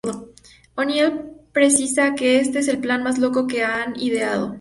O'Neill precisa que este es el plan más loco que han ideado.